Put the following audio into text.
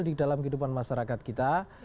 di dalam kehidupan masyarakat kita